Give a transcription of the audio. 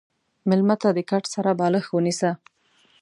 مېلمه ته د کټ سره بالښت ونیسه.